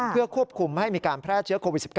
เพื่อควบคุมให้มีการแพร่เชื้อโควิด๑๙